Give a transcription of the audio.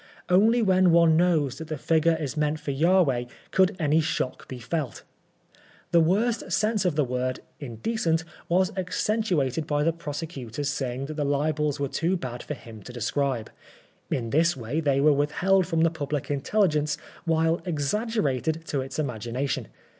Only when one knows that the figure is meaint for Jahv^ could any shock be felt The worst sense of the word * indecent ' was accentuated by the prosecutor's saying that the libels were too bad for him to describe. In this way they were withheld from the pubUc inteUigence while exaggerated to its imagination.